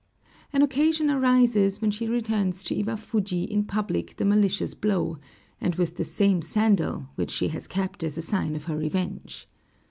An occasion arises when she returns to Iwafuji in public the malicious blow, and with the same sandal, which she has kept as a sign of her revenge.